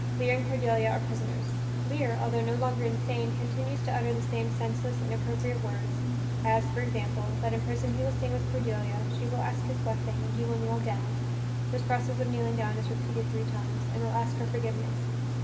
Lear and Cordelia are prisoners. Lear, altho no longer insane, continues to utter the same senseless, inappropriate words, as, for example, that in prison he will sing with Cordelia, she will ask his blessing, and he will kneel down (this process of kneeling down is repeated three times) and will ask her forgiveness.